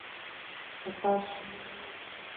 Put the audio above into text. Зытӏэщӏ!